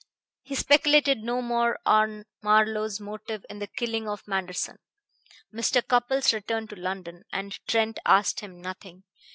He speculated no more on Marlowe's motive in the killing of Manderson. Mr. Cupples returned to London, and Trent asked him nothing.